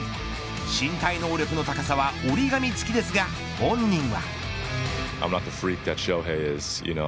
身体能力の高さは折り紙つきですが本人は。